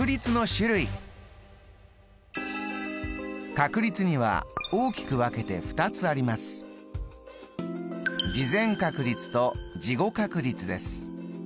確率には大きく分けて２つあります。